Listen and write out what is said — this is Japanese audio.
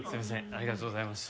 ありがとうございます。